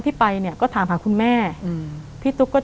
แต่ขอให้เรียนจบปริญญาตรีก่อน